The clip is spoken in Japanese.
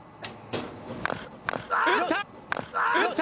打った！